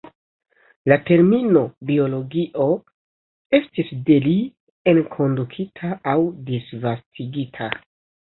La termino "biologio" estis de li enkondukita aŭ disvastigita.